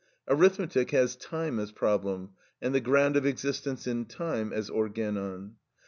Arithmetic has time as problem, and the ground of existence in time as organon.